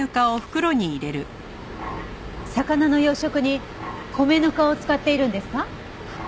魚の養殖に米ぬかを使っているんですか？